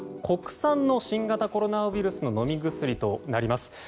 国産の新型コロナウイルスの飲み薬となります。